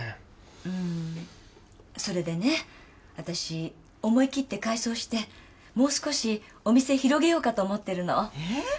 うんそれでね私思い切って改装してもう少しお店広げようかと思ってるのえっ！？